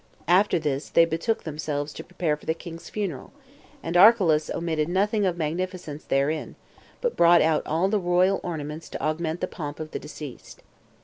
After this, they betook themselves to prepare for the king's funeral; and Archelaus omitted nothing of magnificence therein, but brought out all the royal ornaments to augment the pomp of the deceased.